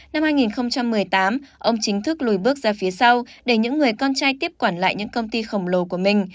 năm hai nghìn một mươi tám ông chính thức lùi bước ra phía sau để những người con trai tiếp quản lại những công ty khổng lồ của mình